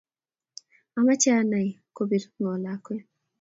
Amexhe ani ale kobir ng'o lakwet